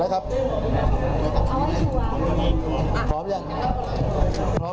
แล้วครับพร้อม